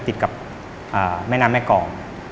ติดกับแม่น้ำแม่กอง